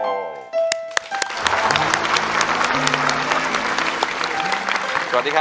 โอทิหารกว่าที่สุดเป็นมันว่าว่าว่ายังไงนะครับ